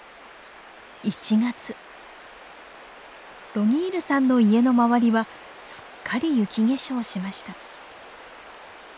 ロギールさんの家の周りはすっかり雪化粧しました。